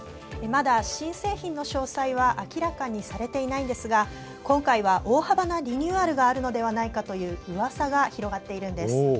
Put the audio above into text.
まだ、新製品の詳細は明らかにされていないんですが今回は大幅なリニューアルがあるのではないかといううわさが広がっているんです。